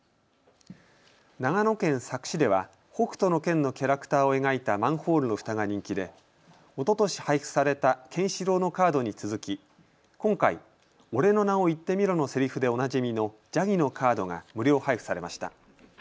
長野県佐久市では北斗の拳のキャラクターを描いたマンホールのふたが人気でおととし廃止されたケンシロウのカードに続き今回、俺の名を言ってみろのせりふでおなじみのジャギのカードが無料配布されました。